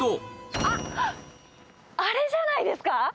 あっ、あれじゃないですか。